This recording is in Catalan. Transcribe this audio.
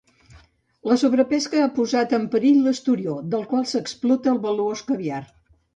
La sobrepesca ha posat en perill l'esturió del qual s'explota el valuós caviar.